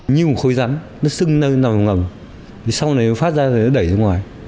như một khối rắn nó xưng nơi nằm ngầm sau này nó phát ra rồi nó đẩy ra ngoài